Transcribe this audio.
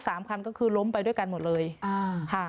สามคันก็คือล้มไปด้วยกันหมดเลยอ่าค่ะ